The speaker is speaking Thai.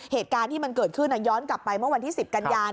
เหตุการณ์ที่มันเกิดขึ้นย้อนกลับไปเมื่อวันที่๑๐กันยา